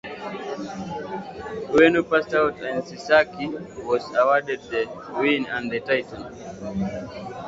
Ueno passed out and Sasaki was awarded the win and the title.